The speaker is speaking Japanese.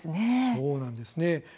そうなんですね。